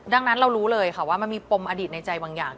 ดังนั้นเรารู้เลยค่ะว่ามันมีปมอดีตในใจบางอย่าง